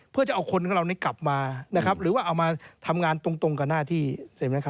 เพื่อจะเอาคนของเรากลับมานะครับหรือว่าเอามาทำงานตรงกับหน้าที่ใช่ไหมครับ